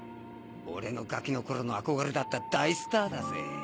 俺のガキのころの憧れだった大スターだぜ。